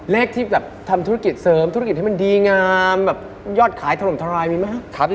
เลขที่ทำธุรกิจเสริมธุรกิจที่มันดีงามยอดขายทะลมทะลายมีไหมครับ